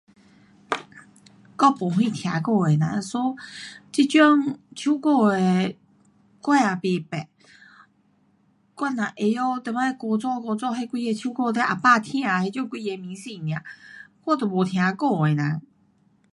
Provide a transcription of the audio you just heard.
我没什听歌的人 so 这种唱歌的我也甭识，我只知晓以前古早古早那几个唱歌你阿爸阿爸听的几种明星【而已】，我都没听歌的人。